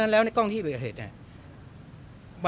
มีใครไปดึงปั๊กหรือว่า